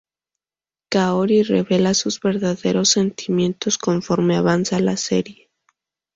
Kaori revela sus verdaderos sentimientos conforme avanza la serie.